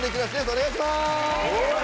お願いします。